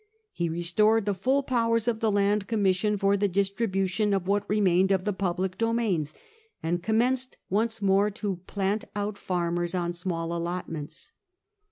He restored the full powers of the Land Commission, for the distribution of what remained of the public domains, and commenced once more to plant out farmers on small allotments.